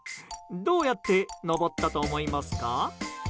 どうやって登ったと思いますか？